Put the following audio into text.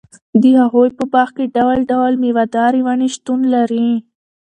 د هغوي په باغ کي ډول٬ډول ميوه داري وني شتون لري